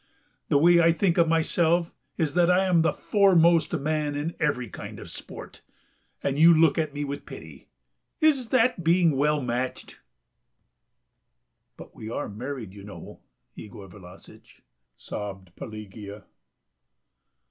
The way I think of myself is that I am the foremost man in every kind of sport, and you look at me with pity.... Is that being well matched?" "But we are married, you know, Yegor Vlassitch," sobbed Pelagea.